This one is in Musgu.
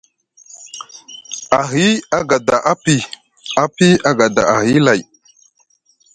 Ahi a gada api, api agada ahi lay.